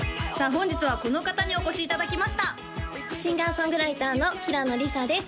本日はこの方にお越しいただきましたシンガー・ソングライターの平野里沙です